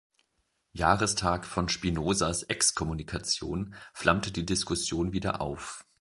Jahrestag von Spinozas Exkommunikation, flammte die Diskussion wieder auf.